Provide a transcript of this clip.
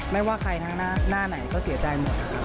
ไม่ว่าใครนะหน้าไหนก็เสียใจหมด